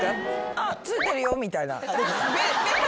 「あっついてるよ」みたいな。